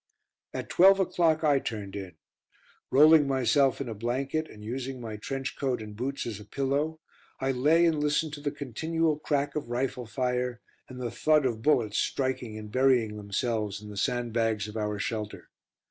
At twelve o'clock I turned in. Rolling myself in a blanket and using my trench coat and boots as a pillow, I lay and listened to the continual crack of rifle fire, and the thud of bullets striking and burying themselves in the sandbags of our shelter.